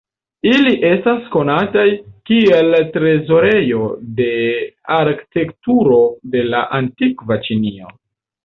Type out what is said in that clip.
Ili estas konataj kiel trezorejo de arkitekturo de la antikva Ĉinio.